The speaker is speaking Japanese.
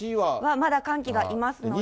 まだ寒気がいますので。